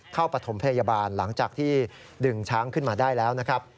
ปฐมพยาบาลหลังจากที่ดึงช้างขึ้นมาได้แล้วนะครับ